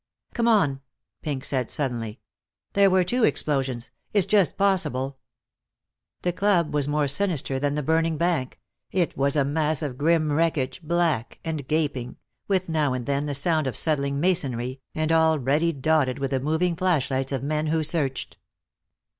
"Come on," Pink said suddenly. "There were two explosions. It's just possible " The club was more sinister than the burning bank; it was a mass of grim wreckage, black and gaping, with now and then the sound of settling masonry, and already dotted with the moving flash lights of men who searched.